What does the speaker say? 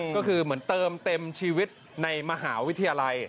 ก็คือเหมือนเติมเต็มชีวิตในมหาวิทยาลัย